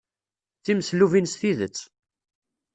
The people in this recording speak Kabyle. D timeslubin s tidet.